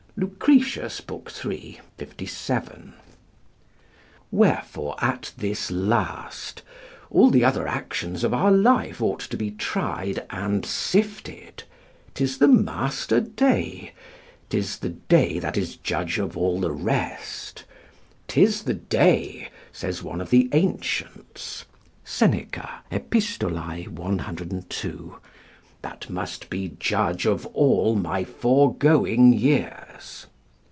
Lucretius, iii. 57.] Wherefore, at this last, all the other actions of our life ought to be tried and sifted: 'tis the master day, 'tis the day that is judge of all the rest, "'tis the day," says one of the ancients, [Seneca, Ep., 102] "that must be judge of all my foregoing years."